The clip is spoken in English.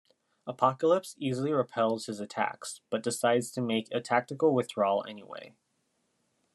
Apocalypse easily repels his attacks, but decides to make a tactical withdrawal anyway.